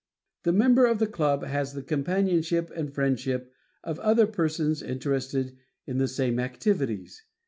The member of the club has the companionship and friendship of other persons interested in the same activities.